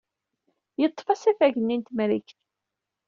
Yeḍḍef asafag-nni n Temrikt.